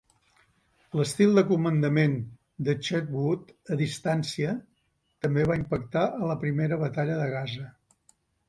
L'estil de comandament de Chetwode "a distància" també va impactar a la Primera Batalla de Gaza.